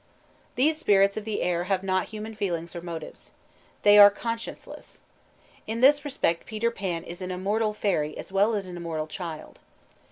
These spirits of the air have not human feelings or motives. They are conscienceless. In this respect Peter Pan is an immortal fairy as well as an immortal child.